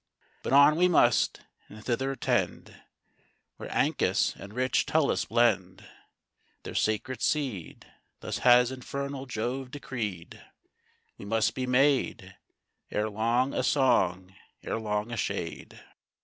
But on we must, and thither tend, Where Ancus and rich Tullus blend Their sacred seed; Thus has infernal Jove decreed; We must be made, Ere long a song, ere long a shade.